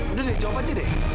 udah deh coba aja deh